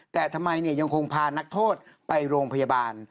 แต่ทำไมยังคงพานักโทษไปโรงพยาบาล